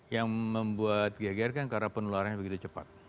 yang membuat geger kan karena penularannya begitu cepat